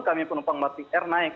kami penumpang batik air naik